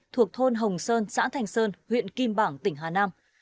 thuộc thôn hồng sơn xã thành sơn huyện kim bảng tỉnh hà nam